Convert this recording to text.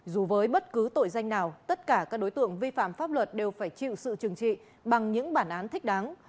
dù với bất cứ tội danh nào tất cả các đối tượng vi phạm pháp luật đều phải chịu sự trừng trị bằng những bản án thích đáng